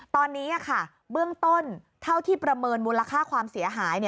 ตอนนี้เบื้องต้นเท่าที่ประเมินมูลค่าความเสียหาย